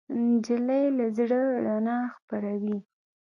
نجلۍ له زړه رڼا خپروي.